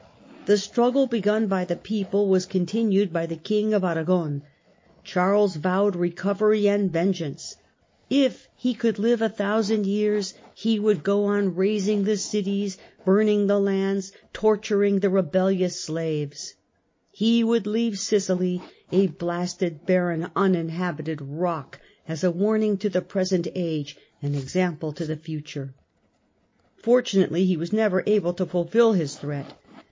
The struggle begun by the people was continued by the King of Aragon. Charles vowed recovery and vengeance ; interfer " if he could live a thousand years, he would go on razing pec^o of the cities, burning the lands, torturing the rebellious ^""^^"^ slaves. He would leave Sicily a blasted, barren unin habited rock, as a warning to the present age, an example to the future." Fortunately he was never able to fulfil his threat.